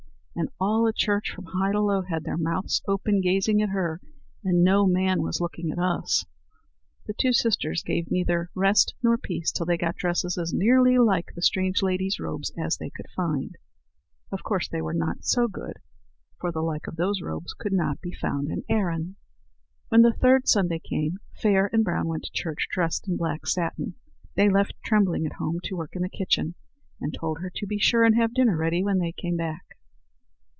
And all at church, from high to low, had their mouths open, gazing at her, and no man was looking at us." The two sisters gave neither rest nor peace till they got dresses as nearly like the strange lady's robes as they could find. Of course they were not so good; for the like of those robes could not be found in Erin. When the third Sunday came, Fair and Brown went to church dressed in black satin. They left Trembling at home to work in the kitchen, and told her to be sure and have dinner ready when they came back.